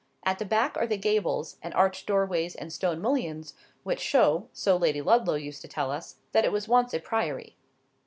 At the back are the gables, and arched doorways, and stone mullions, which show (so Lady Ludlow used to tell us) that it was once a priory.